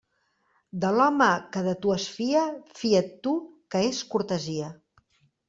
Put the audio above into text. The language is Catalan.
De l'home que de tu es fia, fia't tu, que és cortesia.